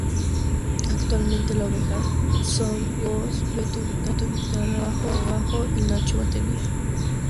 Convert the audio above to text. Actualmente la oveja son: Piojo voz, Beto guitarra, Tobi bajo y Nacho batería.